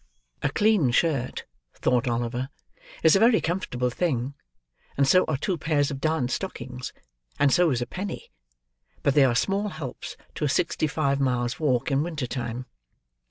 "A clean shirt," thought Oliver, "is a very comfortable thing; and so are two pairs of darned stockings; and so is a penny; but they are small helps to a sixty five miles' walk in winter time."